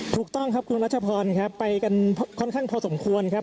ถูกต้องครับคุณรัชพรครับไปกันค่อนข้างพอสมควรครับ